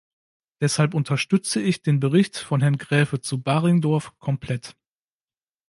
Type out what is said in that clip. Deshalb unterstütze ich den Bericht von Herrn Graefe zu Baringdorf komplett.